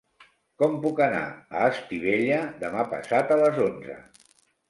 Com puc anar a Estivella demà passat a les onze?